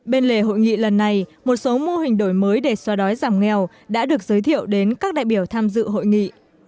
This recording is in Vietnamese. bên lề hội nghị lần này một số mô hình đổi mới để xóa đói giảm nghèo đã được giới thiệu đến các đại biểu tham dự hội nghị